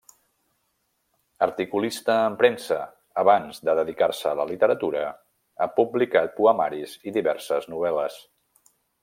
Articulista en premsa abans de dedicar-se a la literatura, ha publicat poemaris i diverses novel·les.